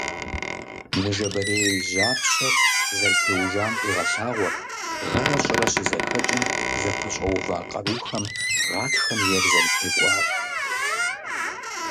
Ныжэбэрей жьапщэр зэрытеужам къигъэлъагъуэрт гъэрэ щӀырэ щызэхэкӀым зэпэщӀэува къарухэм гъатхэм ейр зэрытекӀуар.